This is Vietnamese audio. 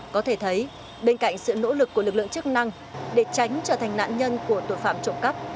có thể thấy bên cạnh sự nỗ lực của lực lượng chức năng để tránh trở thành nạn nhân của tội phạm trộm cắp